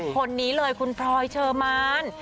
คนนี้เลยคุณพลอยเชอร์มาน